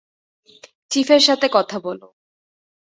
চিফের সাথে কথা বলো।